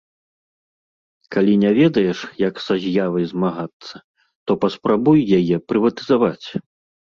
Калі не ведаеш, як са з'явай змагацца, то паспрабуй яе прыватызаваць.